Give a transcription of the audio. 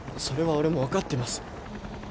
それは俺も分かっています。